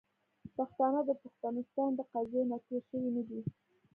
پښتانه د پښتونستان له قضیې نه تیر شوي نه دي .